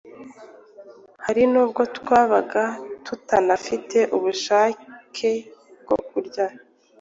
Hari n’ubwo twabaga tutanafite ubushake bwo kurya.